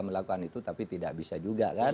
melakukan itu tapi tidak bisa juga kan